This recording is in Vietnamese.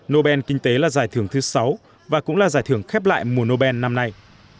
nobel kinh tế là giải thưởng thứ sáu và cũng là giải thưởng khép lại mùa nobel năm nay